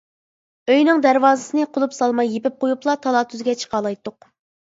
ئۆينىڭ دەرۋازىسىنى قۇلۇپ سالماي يېپىپ قۇيۇپلا تالا-تۈزگە چىقالايتتۇق.